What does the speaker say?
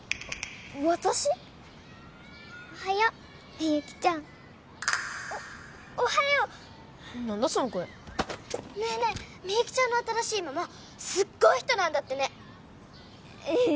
みゆきちゃんおっおはよう何だその声みゆきちゃんの新しいママすっごい人なんだってねええ？